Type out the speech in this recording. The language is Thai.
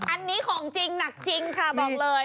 อันนี้ของจริงหนักจริงค่ะบอกเลย